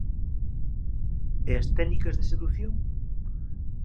E as técnicas de sedución?